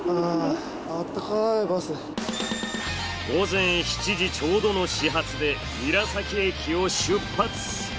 午前７時ちょうどの始発で韮崎駅を出発。